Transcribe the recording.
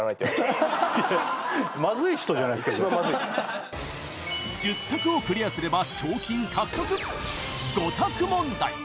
一番まずい１０択をクリアすれば賞金獲得５択問題